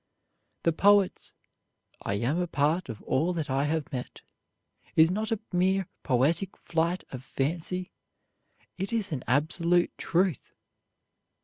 The poet's "I am a part of all that I have met" is not a mere poetic flight of fancy; it is an absolute truth.